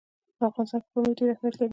په افغانستان کې پامیر ډېر اهمیت لري.